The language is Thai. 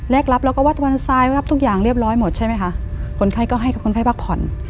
รับแล้วก็วัดวันทรายรับทุกอย่างเรียบร้อยหมดใช่ไหมคะคนไข้ก็ให้กับคนไข้พักผ่อน